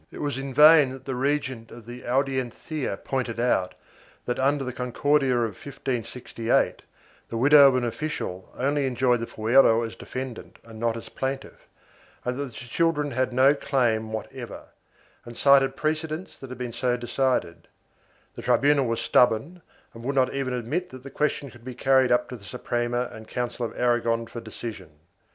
It was in vain that the regent of the Audiencia pointed out that, under the Concordia of 1568, the widow of an official only enjoyed the fuero as defendant and not as plaintiff and that the children had no claim whatever, and cited precedents that had been so decided; the tribunal was stubborn and would not even admit that the question could be carried up to the Suprema and Council of Aragon for decision.